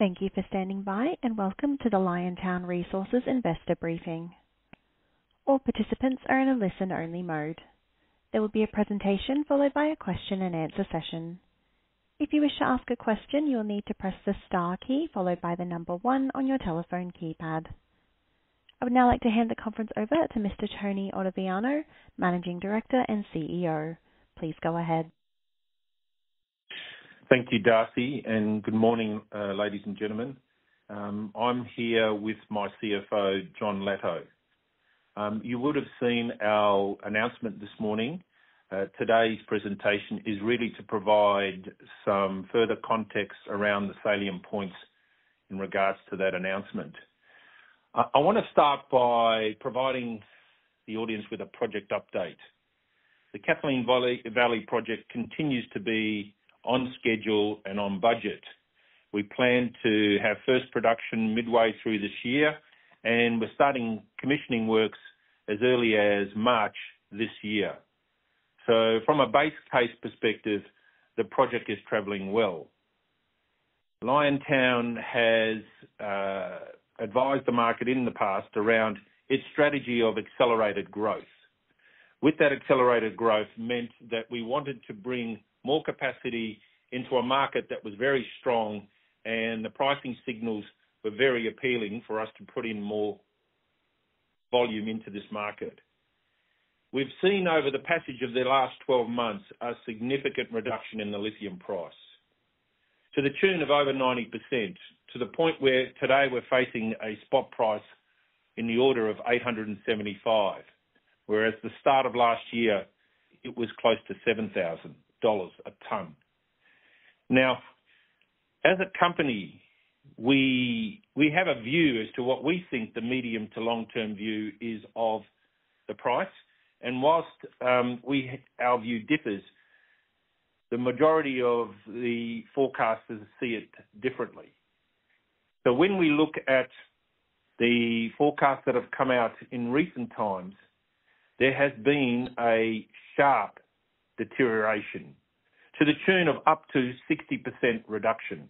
Thank you for standing by, and welcome to the Liontown Resources Investor Briefing. All participants are in a listen-only mode. There will be a presentation followed by a question-and-answer session. If you wish to ask a question, you will need to press the star key followed by the number one on your telephone keypad. I would now like to hand the conference over to Mr. Tony Ottaviano, Managing Director and CEO. Please go ahead. Thank you, Darcy, and good morning, ladies and gentlemen. I'm here with my CFO, Jon Latto. You would have seen our announcement this morning. Today's presentation is really to provide some further context around the salient points in regards to that announcement. I wanna start by providing the audience with a project update. The Kathleen Valley project continues to be on schedule and on budget. We plan to have first production midway through this year, and we're starting commissioning works as early as March this year. So from a base case perspective, the project is traveling well. Liontown has advised the market in the past around its strategy of accelerated growth. With that accelerated growth meant that we wanted to bring more capacity into a market that was very strong, and the pricing signals were very appealing for us to put in more volume into this market. We've seen over the passage of the last 12 months, a significant reduction in the lithium price to the tune of over 90%, to the point where today we're facing a spot price in the order of $875, whereas the start of last year it was close to $7,000 a ton. Now, as a company, we have a view as to what we think the medium to long-term view is of the price, and while our view differs, the majority of the forecasters see it differently. So when we look at the forecasts that have come out in recent times, there has been a sharp deterioration to the tune of up to 60% reduction.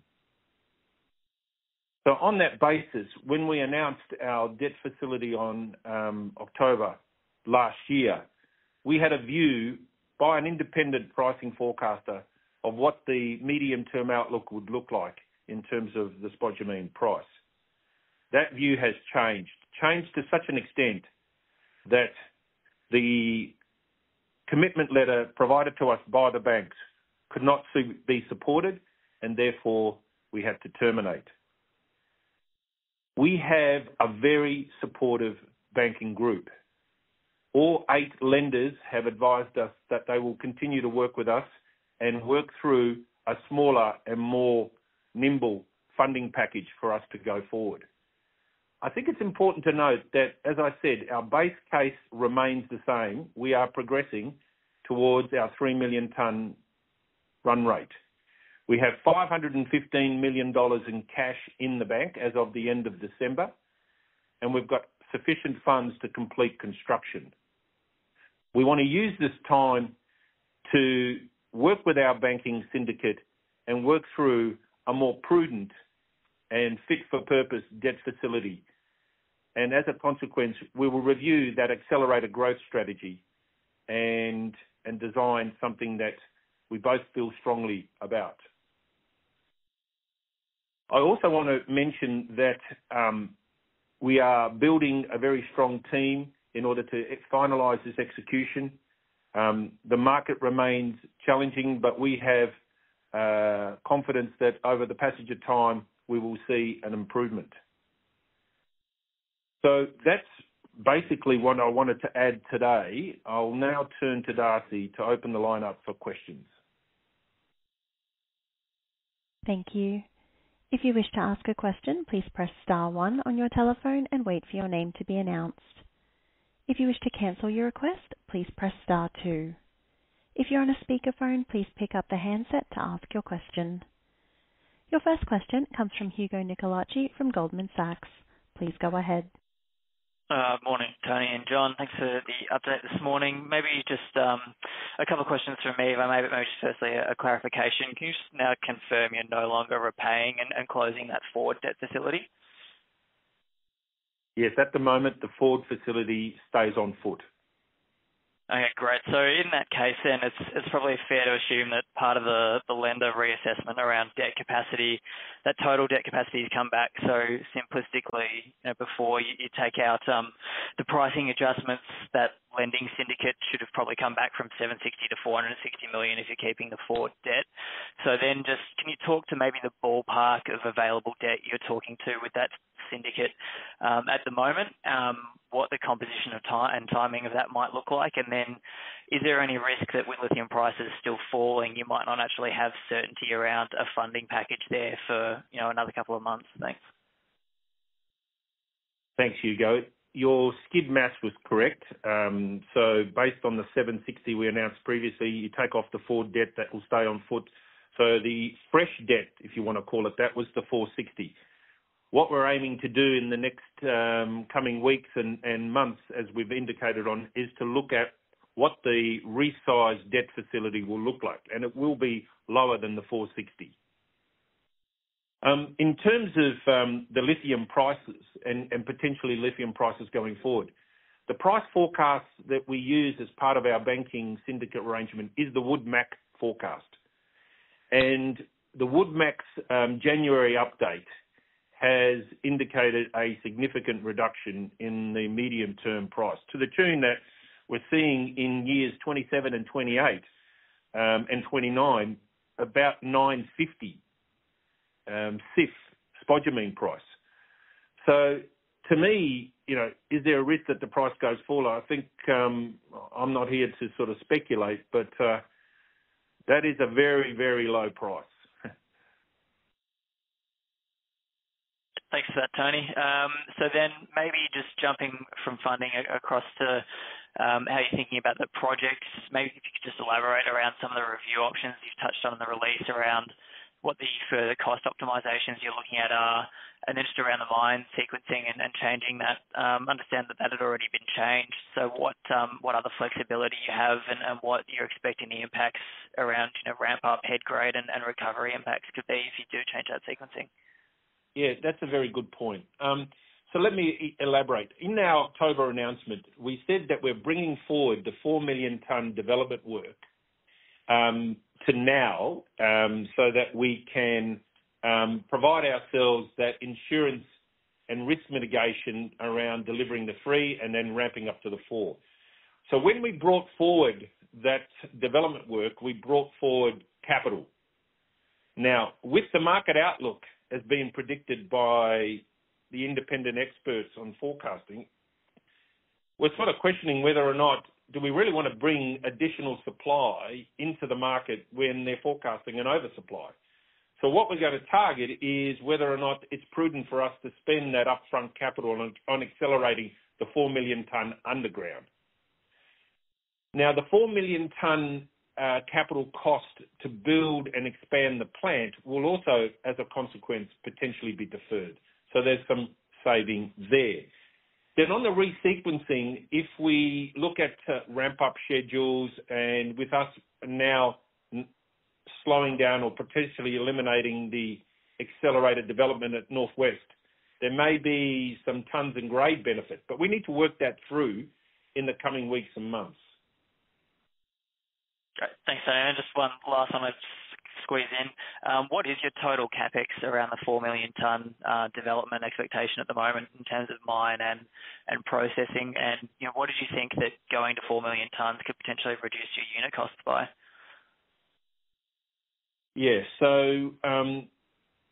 So on that basis, when we announced our debt facility on October last year, we had a view by an independent pricing forecaster of what the medium-term outlook would look like in terms of the spodumene price. That view has changed. Changed to such an extent that the commitment letter provided to us by the banks could not be supported, and therefore we had to terminate. We have a very supportive banking group. All eight lenders have advised us that they will continue to work with us and work through a smaller and more nimble funding package for us to go forward. I think it's important to note that, as I said, our base case remains the same. We are progressing towards our 3 million ton run rate. We have 515 million dollars in cash in the bank as of the end of December, and we've got sufficient funds to complete construction. We want to use this time to work with our banking syndicate and work through a more prudent and fit-for-purpose debt facility. As a consequence, we will review that accelerated growth strategy and design something that we both feel strongly about. I also want to mention that we are building a very strong team in order to finalize this execution. The market remains challenging, but we have confidence that over the passage of time, we will see an improvement. That's basically what I wanted to add today. I'll now turn to Darcy to open the line up for questions. Thank you. If you wish to ask a question, please press star one on your telephone and wait for your name to be announced. If you wish to cancel your request, please press star two. If you're on a speakerphone, please pick up the handset to ask your question. Your first question comes from Hugo Nicolaci from Goldman Sachs. Please go ahead. Morning, Tony and Jon. Thanks for the update this morning. Maybe just a couple of questions from me, but maybe most firstly, a clarification. Can you just now confirm you're no longer repaying and closing that forward debt facility? Yes. At the moment, the forward facility stays on foot. Okay, great. So in that case, then, it's probably fair to assume that part of the lender reassessment around debt capacity, that total debt capacity to come back. So simplistically, you know, before you take out the pricing adjustments, that lending syndicate should have probably come back from 760 million to 460 million if you're keeping the forward debt. So then just can you talk to maybe the ballpark of available debt you're talking to with that syndicate at the moment? What the composition and timing of that might look like? And then is there any risk that with lithium prices still falling, you might not actually have certainty around a funding package there for another couple of months? Thanks. Thanks, Hugo. Your spread math was correct. So based on the 760 we announced previously, you take off the forward debt, that will stay on book. So the fresh debt, if you want to call it that, was the 460. What we're aiming to do in the next coming weeks and months, as we've indicated on, is to look at what the resized debt facility will look like, and it will be lower than the 460. In terms of the lithium prices and potentially lithium prices going forward, the price forecast that we use as part of our banking syndicate arrangement is the WoodMac forecast. And the WoodMac's January update has indicated a significant reduction in the medium-term price, to the tune that we're seeing in years 2027 and 2028, and 2029, about $950 CIF spodumene price. So to me, you know, is there a risk that the price goes fuller? I think, I'm not here to sort of speculate, but, that is a very, very low price. Thanks for that, Tony. So then maybe just jumping from funding across to how you're thinking about the projects. Maybe if you could just elaborate around some of the review options you've touched on in the release, around what the further cost optimizations you're looking at are, and just around the mine sequencing and changing that. Understand that that had already been changed, so what other flexibility you have, and what you're expecting the impacts around, you know, ramp up head grade and recovery impacts could be if you do change that sequencing? Yeah, that's a very good point. So let me elaborate. In our October announcement, we said that we're bringing forward the 4 million ton development work to now, so that we can provide ourselves that insurance and risk mitigation around delivering the three and then ramping up to the four. So when we brought forward that development work, we brought forward capital. Now, with the market outlook as being predicted by the independent experts on forecasting, we're sort of questioning whether or not do we really want to bring additional supply into the market when they're forecasting an oversupply? So what we're going to target is whether or not it's prudent for us to spend that upfront capital on accelerating the 4 million ton underground. Now, the 4 million ton capital cost to build and expand the plant will also, as a consequence, potentially be deferred, so there's some saving there. Then on the resequencing, if we look at ramp-up schedules, and with us now slowing down or potentially eliminating the accelerated development at Northwest, there may be some tons and grade benefits, but we need to work that through in the coming weeks and months. Great. Thanks, Tony. And just one last one I'll just squeeze in. What is your total CapEx around the 4 million ton development expectation at the moment in terms of mine and, and processing? And, you know, what did you think that going to 4 million tons could potentially reduce your unit cost by? Yes. So,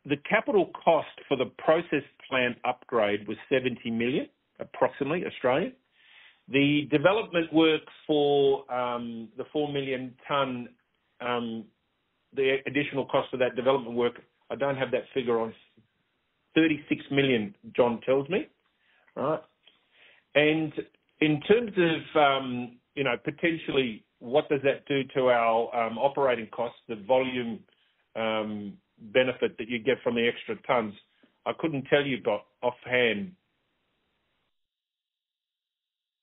the capital cost for the process plant upgrade was 70 million, approximately. The development work for the 4 million ton, the additional cost of that development work, I don't have that figure on... 36 million, Jon tells me. Right? And in terms of, you know, potentially, what does that do to our, operating costs, the volume, benefit that you get from the extra tons, I couldn't tell you, but, offhand.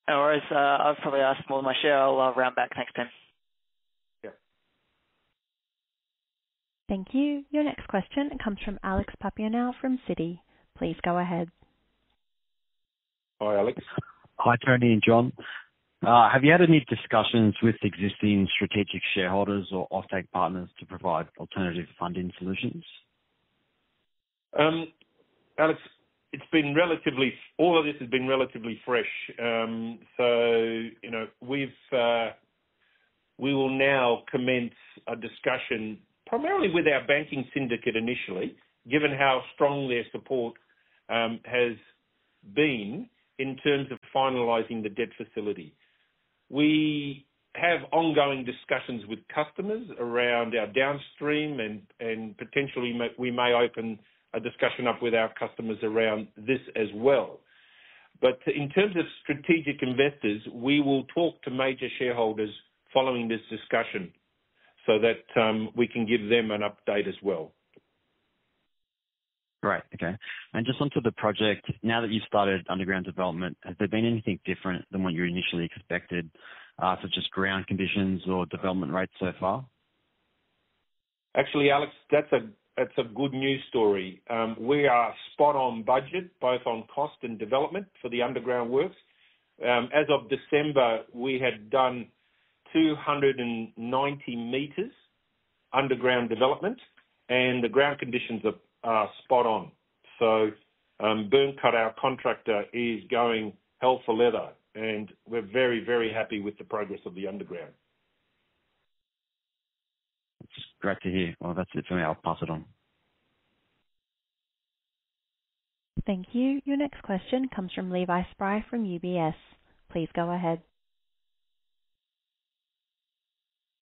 No worries. I'll probably ask more of my share. I'll round back. Thanks, Tony. Yeah. Thank you. Your next question comes from Alex Papineau from Citi. Please go ahead. Hi, Alex. Hi, Tony and Jon. Have you had any discussions with existing strategic shareholders or offtake partners to provide alternative funding solutions? Alex, it's been relatively... All of this has been relatively fresh. So, you know, we've, we will now commence a discussion, primarily with our banking syndicate initially, given how strong their support has been in terms of finalizing the debt facility. We have ongoing discussions with customers around our downstream and potentially we may open a discussion up with our customers around this as well. But in terms of strategic investors, we will talk to major shareholders following this discussion so that we can give them an update as well. Great. Okay. And just onto the project, now that you've started underground development, has there been anything different than what you initially expected, such as ground conditions or development rates so far? Actually, Alex, that's a good news story. We are spot on budget, both on cost and development for the underground works. As of December, we had done 290 meters underground development, and the ground conditions are spot on. So, Byrnecut, our contractor, is going hell for leather, and we're very, very happy with the progress of the underground. Just great to hear. Well, that's it for me. I'll pass it on. Thank you. Your next question comes from Levi Spry from UBS. Please go ahead.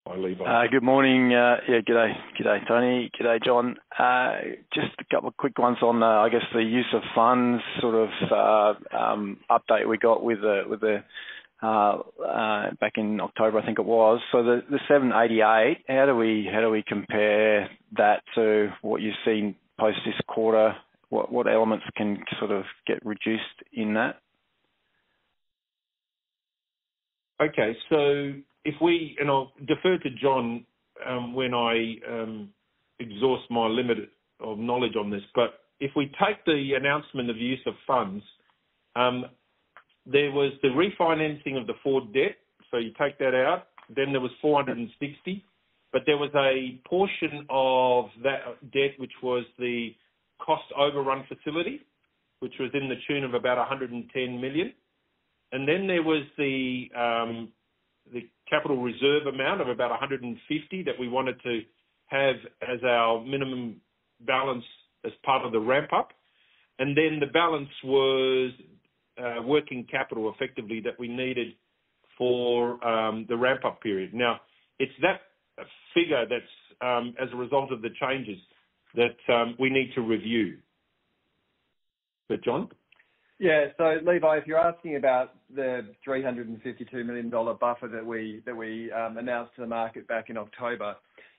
Hi, Levi. Good morning, yeah, good day. Good day, Tony. Good day, Jon. Just a couple of quick ones on, I guess, the use of funds sort of update we got back in October, I think it was. So the $788, how do we compare that to what you've seen post this quarter? What elements can sort of get reduced in that? Okay. So if we and I'll refer to Jon, when I exhaust my limit of knowledge on this. But if we take the announcement of use of funds, there was the refinancing of the Ford debt, so you take that out, then there was 460 million. But there was a portion of that debt, which was the cost overrun facility, which was to the tune of about 110 million. And then there was the capital reserve amount of about 150 that we wanted to have as our minimum balance as part of the ramp-up. And then the balance was working capital effectively that we needed for the ramp-up period. Now, it's that figure that's as a result of the changes that we need to review. So, Jon? Yeah. So Levi, if you're asking about the 352 million dollar buffer that we that we announced to the market back in October,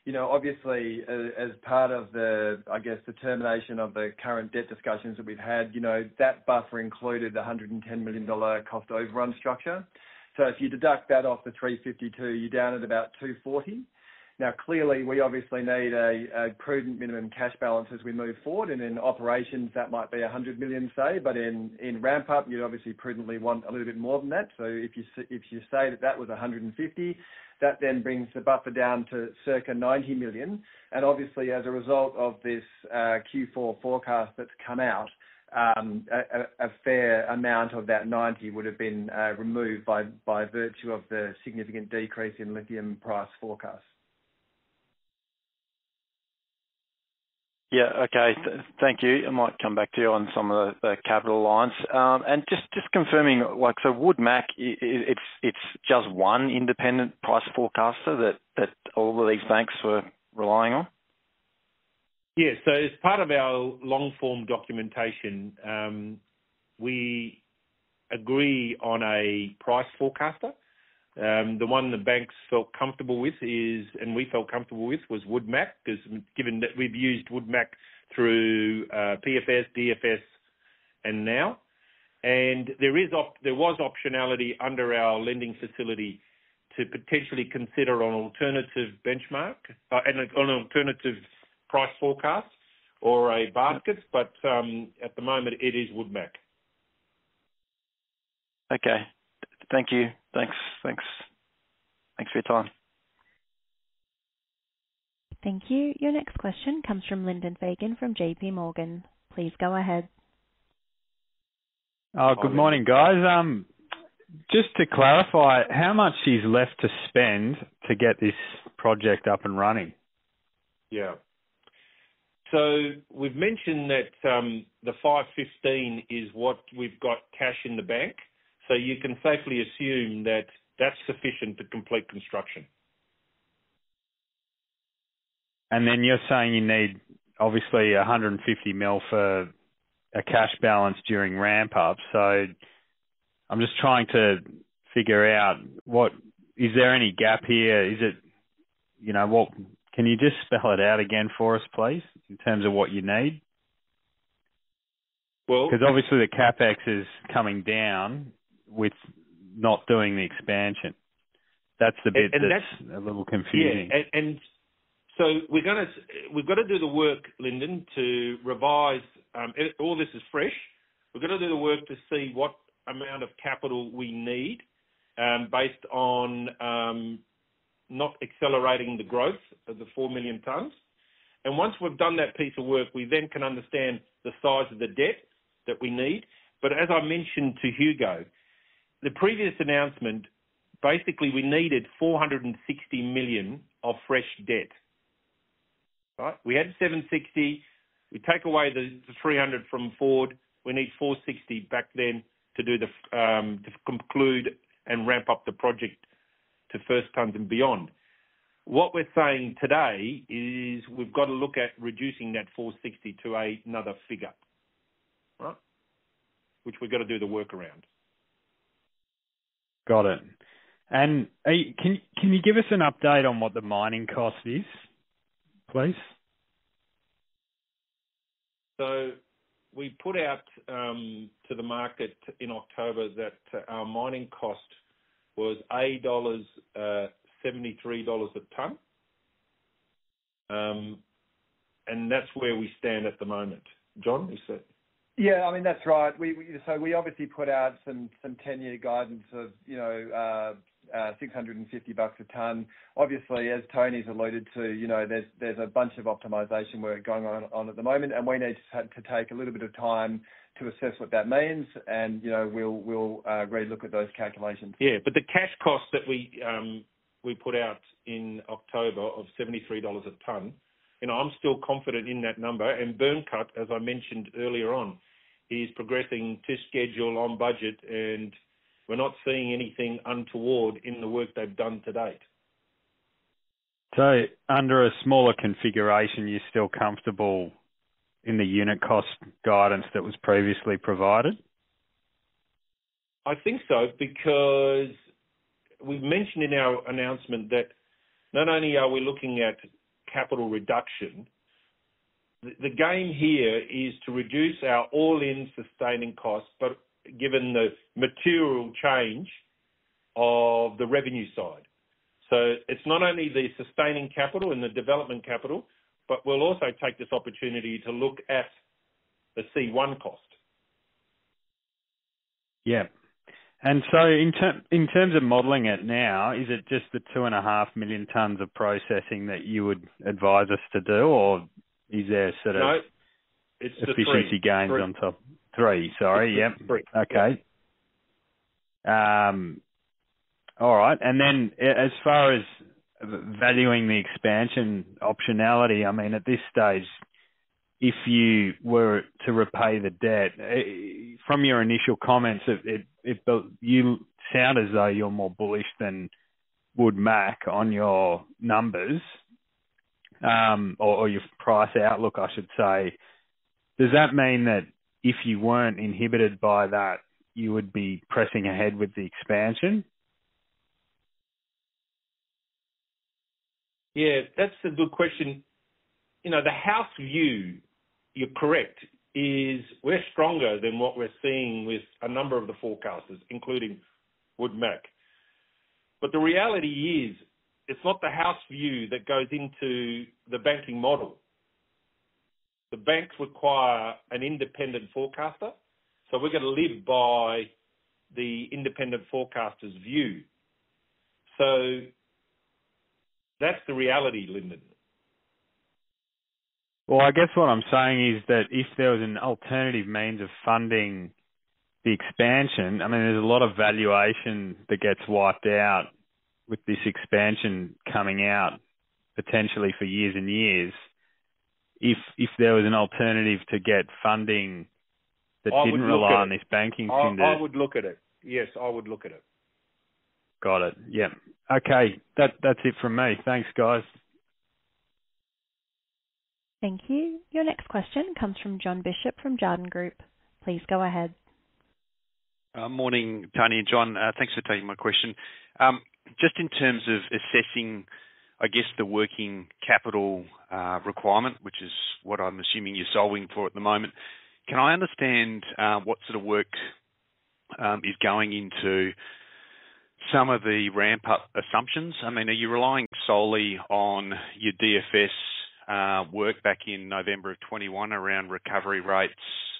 you know, obviously, as part of the, I guess, the termination of the current debt discussions that we've had, you know, that buffer included the 110 million dollar cost overrun structure. So if you deduct that off the 352, you're down at about 240. Now, clearly, we obviously need a prudent minimum cash balance as we move forward, and in operations, that might be 100 million, say, but in ramp-up, you'd obviously prudently want a little bit more than that. So if you say that that was 150, that then brings the buffer down to circa 90 million. Obviously, as a result of this Q4 forecast that's come out, a fair amount of that 90 would have been removed by virtue of the significant decrease in lithium price forecast. Yeah. Okay. Thank you. I might come back to you on some of the capital lines. And just confirming, like, so Woodmac, it's just one independent price forecaster that all of these banks were relying on? Yeah. So as part of our long-form documentation, we agree on a price forecaster. The one the banks felt comfortable with is, and we felt comfortable with, was Woodmac, 'cause given that we've used Woodmac through PFS, DFS, and now. And there was optionality under our lending facility to potentially consider an alternative benchmark, and an alternative price forecast or a basket, but at the moment it is Woodmac. Okay. Thank you. Thanks. Thanks. Thanks for your time. Thank you. Your next question comes from Lyndon Fagan, from JPMorgan. Please go ahead. Good morning, guys. Just to clarify, how much is left to spend to get this project up and running? Yeah. So we've mentioned that, the 515 is what we've got cash in the bank, so you can safely assume that that's sufficient to complete construction. Then you're saying you need obviously 150 million for a cash balance during ramp-up, so I'm just trying to figure out what... Is there any gap here? Is it, you know, what, can you just spell it out again for us, please, in terms of what you need? Well- 'Cause obviously the CapEx is coming down with not doing the expansion. That's the bit that's- And that's- a little confusing. Yeah. So we're gonna. We've got to do the work, Lyndon, to revise. All this is fresh. We've got to do the work to see what amount of capital we need, based on not accelerating the growth of the 4 million tons. And once we've done that piece of work, we then can understand the size of the debt that we need. But as I mentioned to Hugo, the previous announcement, basically we needed 460 million of fresh debt. Right? We had 760 million. We take away the 300 million from Ford. We need 460 million back then to conclude and ramp up the project to first tons and beyond. What we're saying today is we've got to look at reducing that 460 million to another figure. Right? Which we've got to do the work around. Got it. And, can you give us an update on what the mining cost is, please? We put out to the market in October that our mining cost was AUD 8.73 a ton. That's where we stand at the moment. Jon, is that- Yeah, I mean, that's right. We, so we obviously put out some ten-year guidance of, you know, $650 a ton. Obviously, as Tony's alluded to, you know, there's a bunch of optimization work going on at the moment, and we need to take a little bit of time to assess what that means, and, you know, we'll relook at those calculations. Yeah, but the cash cost that we put out in October of $73 a ton, you know, I'm still confident in that number. Byrnecut, as I mentioned earlier on, is progressing to schedule on budget, and we're not seeing anything untoward in the work they've done to date.... So under a smaller configuration, you're still comfortable in the unit cost guidance that was previously provided? I think so, because we've mentioned in our announcement that not only are we looking at capital reduction, the gain here is to reduce our all-in sustaining costs, but given the material change of the revenue side. So it's not only the sustaining capital and the development capital, but we'll also take this opportunity to look at the C1 cost. Yeah. And so in terms of modeling it now, is it just the 2.5 million tons of processing that you would advise us to do, or is there a sort of- No, it's the three. Efficiency gains on top? Three, sorry. Yep. Three. Okay. All right. And then as far as valuing the expansion optionality, I mean, at this stage, if you were to repay the debt, from your initial comments, but you sound as though you're more bullish than Woodmac on your numbers, or your price outlook, I should say. Does that mean that if you weren't inhibited by that, you would be pressing ahead with the expansion? Yeah, that's a good question. You know, the house view, you're correct, is we're stronger than what we're seeing with a number of the forecasters, including Woodmac. But the reality is, it's not the house view that goes into the banking model. The banks require an independent forecaster, so we're gonna live by the independent forecaster's view. So that's the reality, Lyndon. Well, I guess what I'm saying is that if there was an alternative means of funding the expansion, I mean, there's a lot of valuation that gets wiped out with this expansion coming out potentially for years and years. If, if there was an alternative to get funding- I would look at it. that didn't rely on this banking conduit. I would look at it. Yes, I would look at it. Got it. Yeah. Okay. That, that's it from me. Thanks, guys. Thank you. Your next question comes from Jon Bishop, from Jarden Group. Please go ahead. Morning, Tony and Jon. Thanks for taking my question. Just in terms of assessing, I guess, the working capital requirement, which is what I'm assuming you're solving for at the moment, can I understand what sort of work is going into some of the ramp-up assumptions? I mean, are you relying solely on your DFS work back in November of 2021 around recovery rates,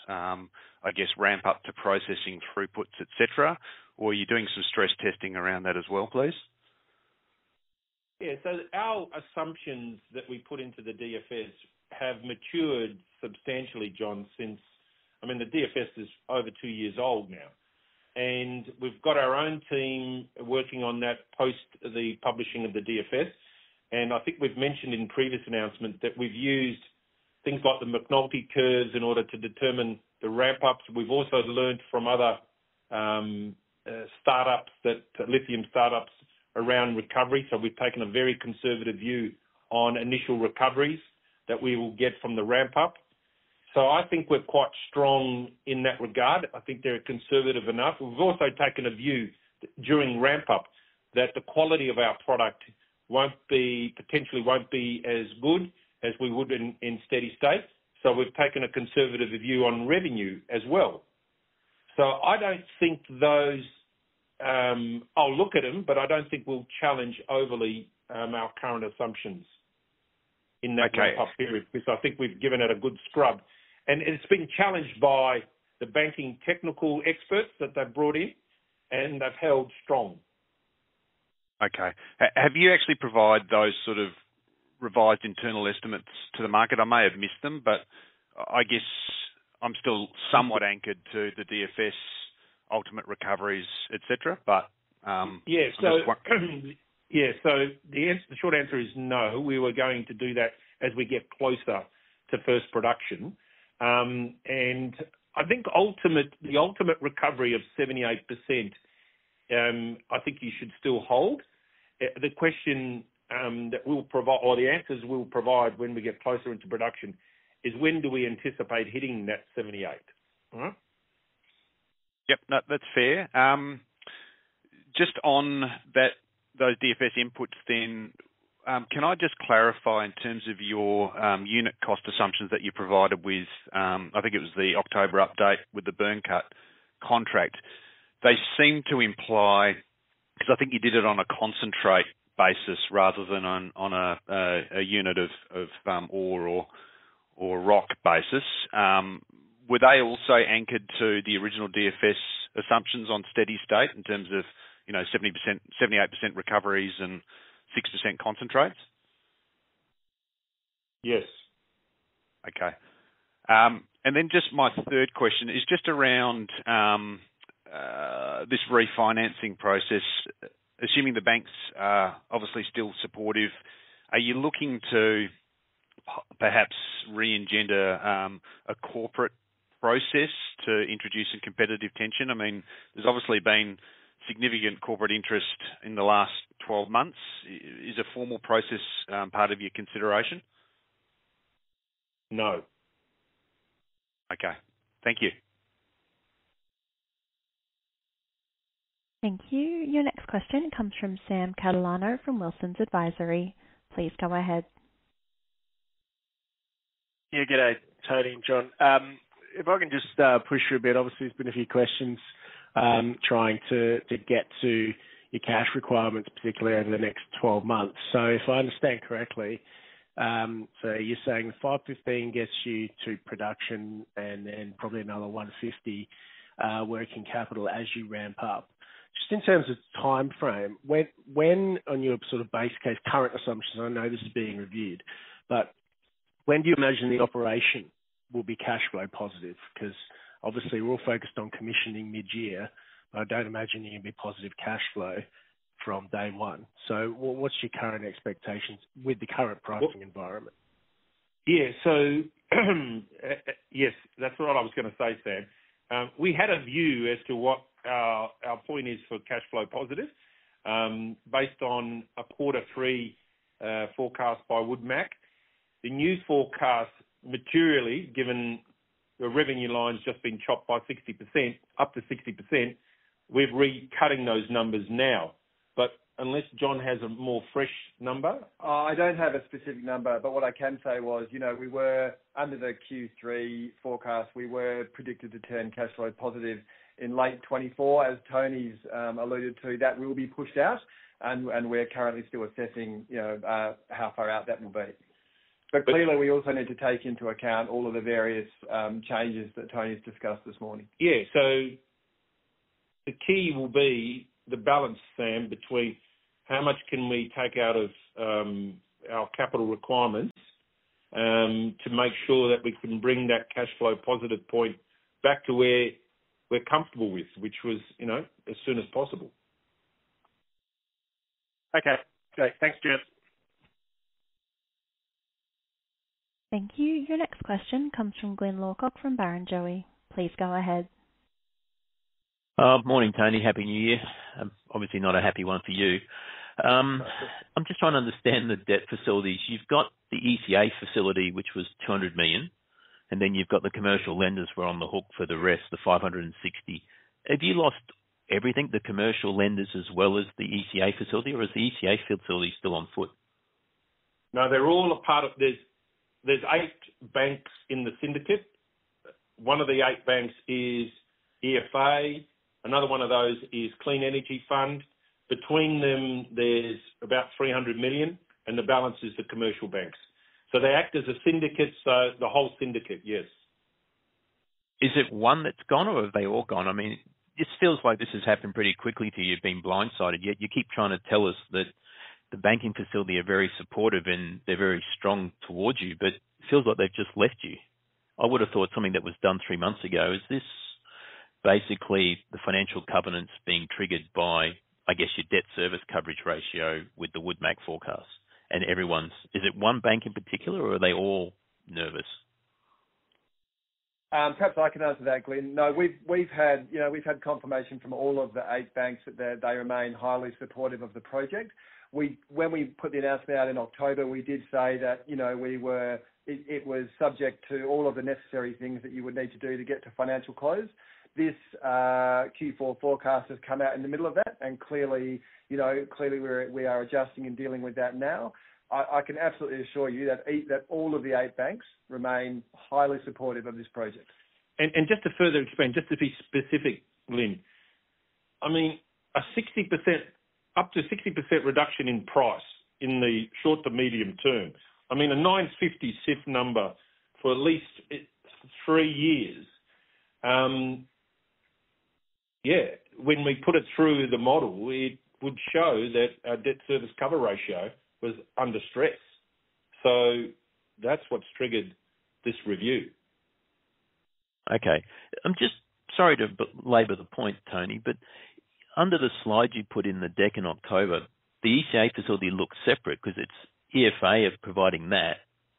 I guess, ramp up to processing throughputs, et cetera, or are you doing some stress testing around that as well, please? Yeah. So our assumptions that we put into the DFS have matured substantially, Jon, since... I mean, the DFS is over two years old now. And we've got our own team working on that post the publishing of the DFS. And I think we've mentioned in previous announcements that we've used things like the McNulty curves in order to determine the ramp-ups. We've also learned from other startups, the lithium startups around recovery. So we've taken a very conservative view on initial recoveries that we will get from the ramp-up. So I think we're quite strong in that regard. I think they're conservative enough. We've also taken a view during ramp-up, that the quality of our product won't potentially be as good as we would in steady state. So we've taken a conservative view on revenue as well. So I don't think those... I'll look at them, but I don't think we'll challenge overly our current assumptions in that- Okay period, because I think we've given it a good scrub. It's been challenged by the banking technical experts that they've brought in, and they've held strong. Okay. Have you actually provided those sort of revised internal estimates to the market? I may have missed them, but I guess I'm still somewhat anchored to the DFS ultimate recoveries, et cetera, but, Yeah. So- Yeah. So the short answer is no. We were going to do that as we get closer to first production. And I think the ultimate recovery of 78%, I think you should still hold. The question that we'll provide, or the answers we'll provide when we get closer into production, is when do we anticipate hitting that 78? Yep. No, that's fair. Just on that, those DFS inputs then, can I just clarify in terms of your unit cost assumptions that you provided with, I think it was the October update with the Byrnecut contract. They seem to imply, because I think you did it on a concentrate basis rather than on a unit of ore or rock basis. Were they also anchored to the original DFS assumptions on steady state in terms of, you know, 70%, 78% recoveries and 6% concentrates? Yes. Okay. And then just my third question is just around this refinancing process. Assuming the banks are obviously still supportive, are you looking to perhaps re-engender a corporate process to introduce some competitive tension? I mean, there's obviously been significant corporate interest in the last 12 months. Is a formal process part of your consideration? No. Okay. Thank you. Thank you. Your next question comes from Sam Catalano from Wilsons Advisory. Please go ahead. Yeah, good day, Tony and Jon. If I can just push you a bit. Obviously, there's been a few questions trying to get to your cash requirements, particularly over the next 12 months. So if I understand correctly, so you're saying 515 gets you to production and probably another 150 working capital as you ramp up. Just in terms of timeframe, when on your sort of base case, current assumptions, I know this is being reviewed, but when do you imagine the operation will be cash flow positive? Because obviously we're all focused on commissioning mid-year. I don't imagine you're going to be positive cash flow from day one. So what's your current expectations with the current pricing environment? Yeah. So, yes, that's what I was gonna say, Sam. We had a view as to what our point is for cash flow positive, based on a quarter three forecast by Woodmac. The new forecast materially, given the revenue line's just been chopped by 60%, up to 60%, we're recutting those numbers now. But unless Jon has a more fresh number? I don't have a specific number, but what I can say was, you know, we were under the Q3 forecast, we were predicted to turn cash flow positive in late 2024. As Tony's alluded to, that will be pushed out, and we're currently still assessing, you know, how far out that will be. But clearly, we also need to take into account all of the various changes that Tony has discussed this morning. Yeah. The key will be the balance, Sam, between how much can we take out of our capital requirements to make sure that we can bring that cash flow positive point back to where we're comfortable with, which was, you know, as soon as possible. Okay. Great. Thanks, gents. Thank you. Your next question comes from Glyn Lawcock from Barrenjoey. Please go ahead. Morning, Tony. Happy New Year. Obviously not a happy one for you. I'm just trying to understand the debt facilities. You've got the ECA facility, which was 200 million, and then you've got the commercial lenders who are on the hook for the rest, the 560. Have you lost everything, the commercial lenders as well as the ECA facility, or is the ECA facility still on foot? No, they're all a part of this. There's 8 banks in the syndicate. One of the 8 banks is EFA. Another one of those is Clean Energy Finance Corporation. Between them, there's about 300 million, and the balance is the commercial banks. So they act as a syndicate, so the whole syndicate, yes. Is it one that's gone, or are they all gone? I mean, this feels like this has happened pretty quickly to you, being blindsided, yet you keep trying to tell us that the banking facility are very supportive and they're very strong towards you, but it feels like they've just left you. I would have thought something that was done three months ago, is this basically the financial covenants being triggered by, I guess, your debt service coverage ratio with the Woodmac forecast, and everyone's... Is it one bank in particular, or are they all nervous? Perhaps I can answer that, Glyn. No, we've, we've had, you know, we've had confirmation from all of the eight banks that they, they remain highly supportive of the project. When we put the announcement out in October, we did say that, you know, we were, it, it was subject to all of the necessary things that you would need to do to get to financial close. This Q4 forecast has come out in the middle of that, and clearly, you know, clearly, we're, we are adjusting and dealing with that now. I, I can absolutely assure you that all of the eight banks remain highly supportive of this project. Just to further explain, just to be specific, Glyn, I mean, a 60%, up to 60% reduction in price in the short to medium term, I mean, a $950 CIF number for at least three years. When we put it through the model, it would show that our debt service coverage ratio was under stress. So that's what's triggered this review. Okay. I'm just sorry to labor the point, Tony, but under the slide you put in the deck in October, the ECA facility looks separate because it's EFA is providing that,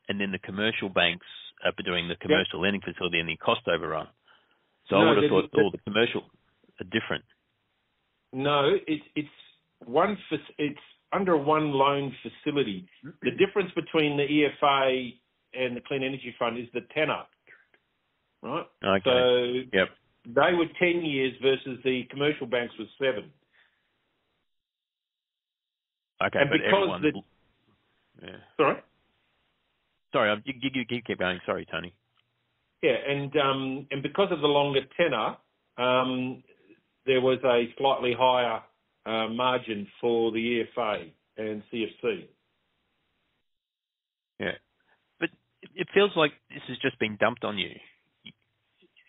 and then the commercial banks are doing the- Yep... commercial lending facility and the cost overrun. I would have thought all the commercial are different. No, it's one facility. It's under one loan facility. Mm-hmm. The difference between the EFA and the Clean Energy Fund is the tenor, right? Okay. So- Yep. They were 10 years versus the commercial banks was 7. Okay, but everyone- And because the- Yeah. Sorry? Sorry, you keep going. Sorry, Tony. Yeah, and because of the longer tenor, there was a slightly higher margin for the EFA and CEFC. Yeah, but it feels like this has just been dumped on you.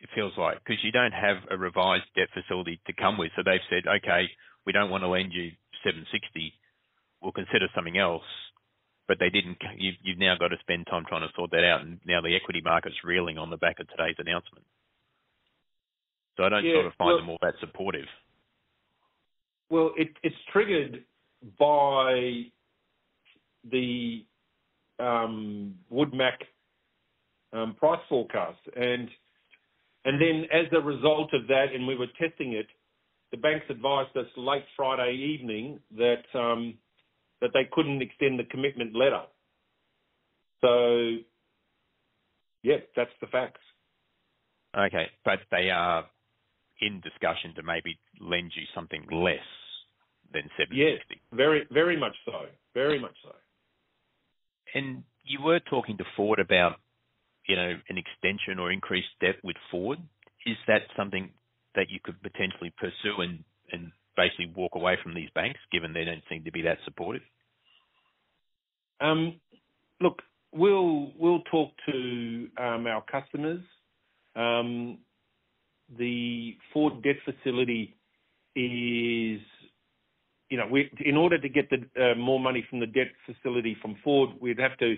It feels like, because you don't have a revised debt facility to come with. So they've said, "Okay, we don't want to lend you 760 million. We'll consider something else." But they didn't. You've now got to spend time trying to sort that out, and now the equity market's reeling on the back of today's announcement... So I don't sort of find them all that supportive. Well, it's triggered by the Woodmac price forecast. And then as a result of that, and we were testing it, the banks advised us late Friday evening that they couldn't extend the commitment letter. So yeah, that's the facts. Okay. But they are in discussion to maybe lend you something less than 75? Yes. Very, very much so. Very much so. You were talking to Ford about, you know, an extension or increased debt with Ford. Is that something that you could potentially pursue and basically walk away from these banks, given they don't seem to be that supportive? Look, we'll talk to our customers. The Ford debt facility is... You know, in order to get the more money from the debt facility from Ford, we'd have to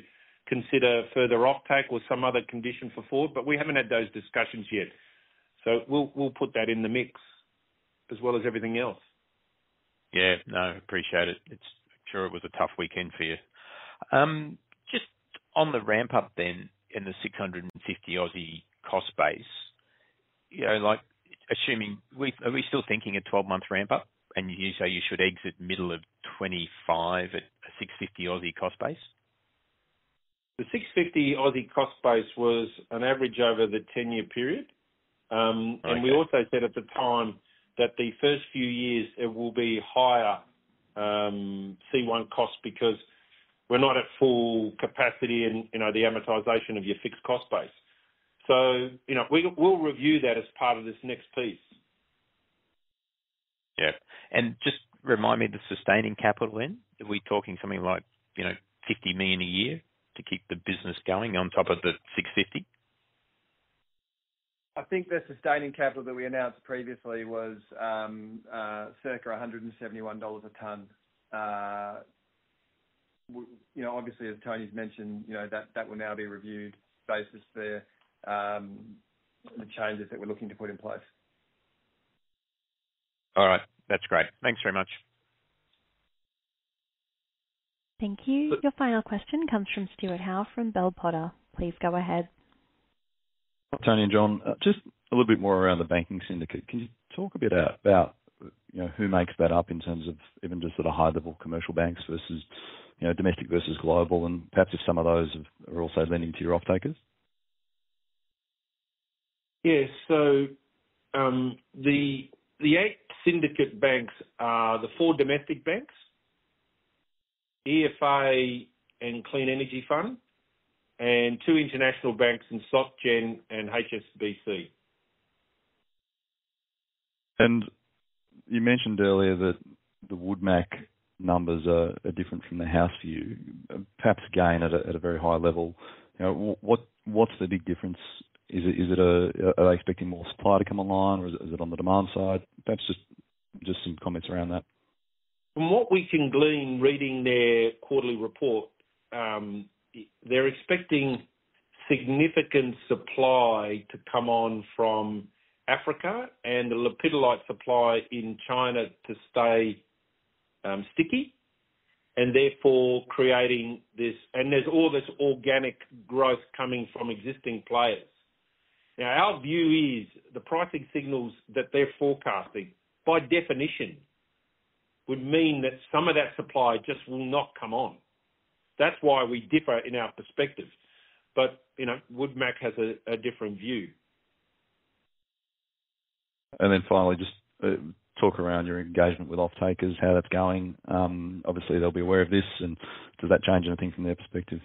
consider further offtake or some other condition for Ford, but we haven't had those discussions yet. So we'll put that in the mix as well as everything else. Yeah. No, appreciate it. It's- I'm sure it was a tough weekend for you. Just on the ramp up then, in the 650 cost base, you know, like, assuming, we- are we still thinking a 12-month ramp up? And you say you should exit middle of 2025 at a 650 cost base. The 650 cost base was an average over the 10-year period. Okay. and we also said at the time that the first few years it will be higher, C1 cost, because we're not at full capacity and, you know, the amortization of your fixed cost base. So, you know, we'll review that as part of this next piece. Yeah. Just remind me of the sustaining capital then. Are we talking something like, you know, 50 million a year to keep the business going on top of the 650? I think the sustaining capital that we announced previously was circa $171 a ton. You know, obviously, as Tony's mentioned, you know, that that will now be reviewed basis there the changes that we're looking to put in place. All right. That's great. Thanks very much. Thank you. Your final question comes from Stuart Howe, from Bell Potter. Please go ahead. Tony and Jon, just a little bit more around the banking syndicate. Can you talk a bit about, you know, who makes that up in terms of even just sort of high-level commercial banks versus, you know, domestic versus global, and perhaps if some of those are also lending to your offtakers? Yes. So, the eight syndicate banks are the four domestic banks, EFA and Clean Energy Fund, and two international banks in SocGen and HSBC. You mentioned earlier that the Woodmac numbers are different from the house view. Perhaps again, at a very high level, you know, what's the big difference? Is it, are they expecting more supply to come online, or is it on the demand side? Perhaps just some comments around that. From what we can glean, reading their quarterly report, they're expecting significant supply to come on from Africa, and the lepidolite supply in China to stay sticky, and therefore creating this. And there's all this organic growth coming from existing players. Now, our view is, the pricing signals that they're forecasting, by definition, would mean that some of that supply just will not come on. That's why we differ in our perspective. But, you know, Wood Mackenzie has a different view. And then finally, just talk around your engagement with offtakers, how that's going. Obviously, they'll be aware of this, and does that change anything from their perspective?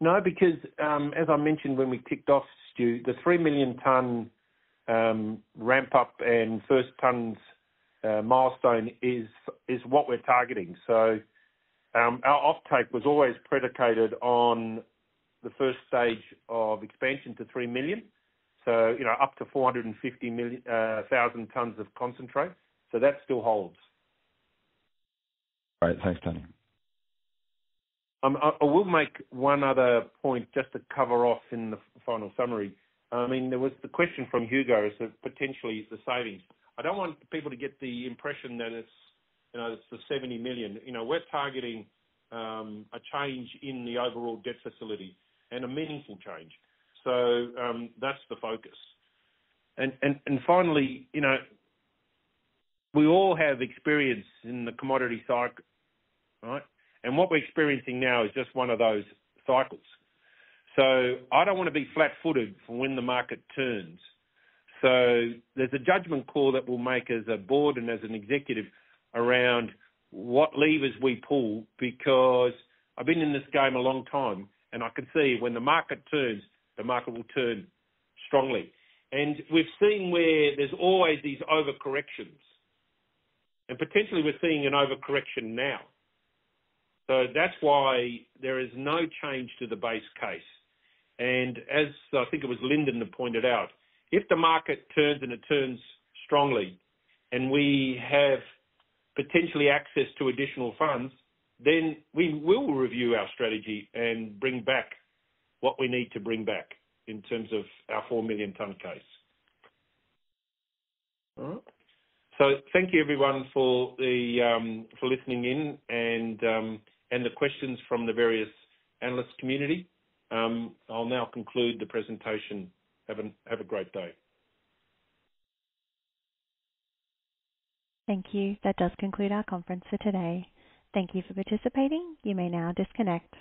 No, because, as I mentioned when we kicked off, Stu, the 3 million-ton ramp up and first tons milestone is what we're targeting. So, our offtake was always predicated on the first stage of expansion to 3 million, so, you know, up to 450 thousand tons of concentrate. So that still holds. All right. Thanks, Tony. I will make one other point just to cover off in the final summary. I mean, there was the question from Hugo as to potentially the savings. I don't want people to get the impression that it's, you know, it's the 70 million. You know, we're targeting a change in the overall debt facility, and a meaningful change. So that's the focus. And finally, you know, we all have experience in the commodity cycle, right? And what we're experiencing now is just one of those cycles. So I don't want to be flat-footed for when the market turns. So there's a judgment call that we'll make as a board and as an executive around what levers we pull, because I've been in this game a long time, and I can see when the market turns, the market will turn strongly. We've seen where there's always these overcorrections, and potentially we're seeing an overcorrection now. So that's why there is no change to the base case. And as I think it was Lyndon that pointed out, if the market turns and it turns strongly, and we have potentially access to additional funds, then we will review our strategy and bring back what we need to bring back in terms of our 4 million ton case. All right? So thank you everyone, for the, for listening in and, and the questions from the various analyst community. I'll now conclude the presentation. Have a, have a great day. Thank you. That does conclude our conference for today. Thank you for participating. You may now disconnect.